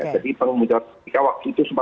jadi pak andika waktu itu